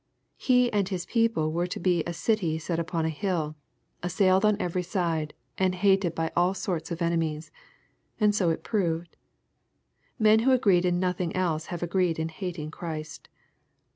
He and His people were to be a " city set upon a hill," assailed on every side, and hated by all sorts of enemies. And so it proved. Men who agreed in nothing else have agreed in hating Christ.